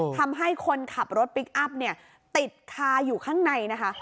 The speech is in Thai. ทำให้คนขับรถพลิกอัพติดคาอยู่ข้างใน